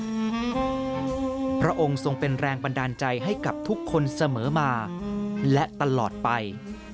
พระองธ์ทรกิจต้องเป็นแรงพันธุรกิจเป็นแรงปันดาลใจให้กับทุกคนเสมอมาและตลอดไป